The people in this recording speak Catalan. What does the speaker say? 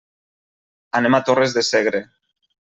Anem a Torres de Segre.